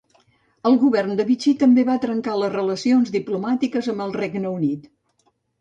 El govern de Vichy també va trencar les relacions diplomàtiques amb el Regne Unit.